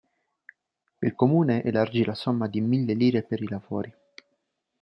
Il comune elargì la somma di mille lire per i lavori.